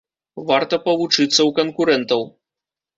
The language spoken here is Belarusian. Варта павучыцца ў канкурэнтаў.